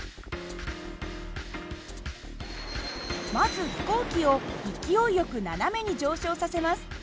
まず飛行機を勢いよく斜めに上昇させます。